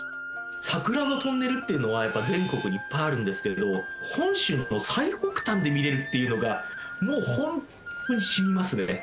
桜のトンネルっていうのはやっぱ全国にいっぱいあるんですけれど本州の最北端で見れるっていうのがもうホントに染みますよね。